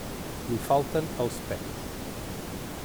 Li falten els peus.